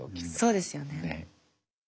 そうですよね。